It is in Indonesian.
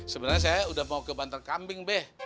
sebenarnya saya udah mau ke banteng kambing be